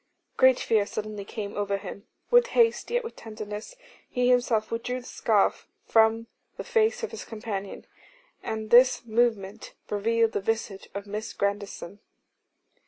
Great fear suddenly came over him. With haste, yet with tenderness, he himself withdrew the scarf from the face of his companion, and this movement revealed the visage of Miss Grandison.